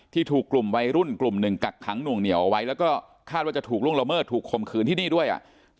ถูกกลุ่มวัยรุ่นกลุ่มหนึ่งกักขังหน่วงเหนียวเอาไว้แล้วก็คาดว่าจะถูกล่วงละเมิดถูกคมคืนที่นี่ด้วยอ่ะ